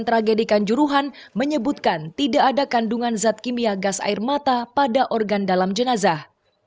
tragedi kanjuruhan menyebutkan tidak ada kandungan zat kimia gas air mata pada organ dalam jenazah